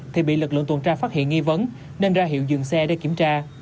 thì bị lực lượng tuần tra phát hiện nghi vấn nên ra hiệu dừng xe để kiểm tra